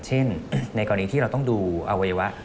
ในกรณีที่เราต้องดูอวัยวะ